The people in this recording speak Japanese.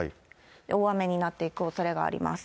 大雨になっていくおそれがあります。